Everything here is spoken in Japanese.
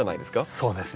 そうですね。